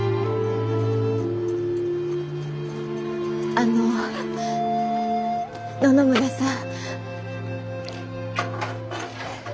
あの野々村さん。